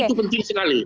itu penting sekali